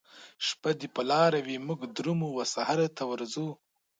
شپه دي په لاره وي موږ درومو وسحرته ورځو